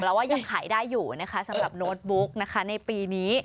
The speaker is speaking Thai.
แล้วว่ายังขายได้อยู่นะคะสำหรับโน้ตบุ๊กนะคะในปีนี้